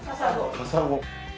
カサゴ。